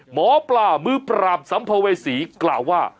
หมอปลามือปราบสัมภเวษีกล่าวว่า